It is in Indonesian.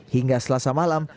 hingga selasa malam